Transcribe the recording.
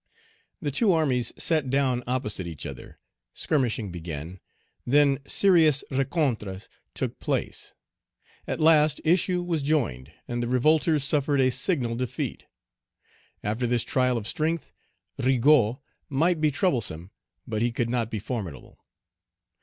The two armies sat down opposite each other. Skirmishing began. Then serious rencontres took place. At last, issue was joined, and the revolters suffered a signal defeat. After this trial of strength, Rigaud might be troublesome, but he could not be formidable.